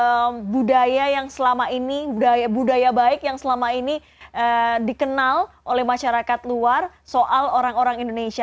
sebenarnya kalau dari riset ada banyak yang mengatakan bahwa budaya baik ini yang selama ini dikenal oleh masyarakat luar soal orang orang indonesia